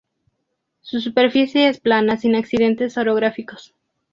Su superficie es plana sin accidentes orográficos.